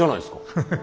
ハハハハ。